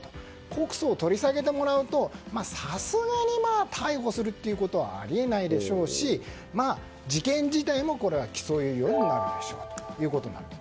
告訴を取り下げてもらうとさすがに逮捕するということはあり得ないでしょうし事件自体も起訴猶予になるでしょうということなんです。